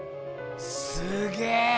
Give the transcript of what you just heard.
すげえ！